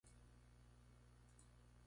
Todo siguiendo los preceptos italianos.